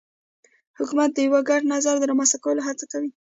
حکومت د یو ګډ نظر د رامنځته کولو هڅه کوي